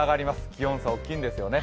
気温差、大きいんですよね。